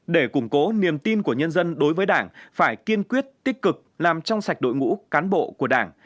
để củng cố niềm tin của nhân dân đối với đảng phải kiên quyết tích cực làm trong sạch đội ngũ cán bộ của đảng